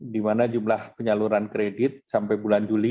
di mana jumlah penyaluran kredit sampai bulan juli